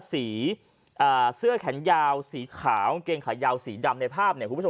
สีเสื้อแขนยาวสีขาวกางเกงขายาวสีดำในภาพเนี่ยคุณผู้ชม